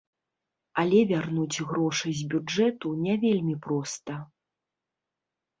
Але вярнуць грошы з бюджэту не вельмі проста.